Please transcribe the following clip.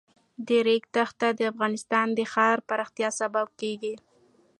د ریګ دښتې د افغانستان د ښاري پراختیا سبب کېږي.